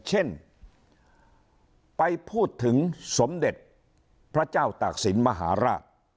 เช่นไปพูดถึงสมเด็จพระเจ้าตากศิลป์มหาราช